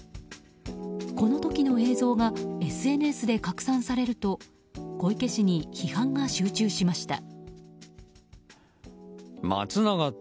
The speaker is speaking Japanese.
この時の映像がＳＮＳで拡散されると小池氏に批判が集中しました。